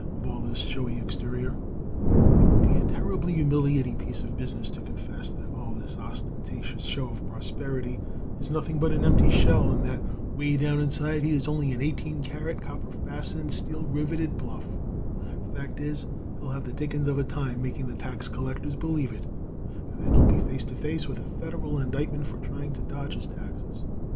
of all this showy exterior. It will be a terribly humiliating piece of business to confess that all this ostentatious show of prosperity is nothing but an empty shell, and that way down inside he is only an eighteen karat, copper fastened, steel riveted bluff; fact is, he'll have the dickens of a time making the tax collectors believe it, and then he'll be face to face with a federal indictment for trying to dodge his taxes.